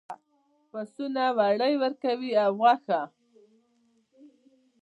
پسونه وړۍ ورکوي او غوښه.